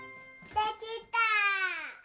できた！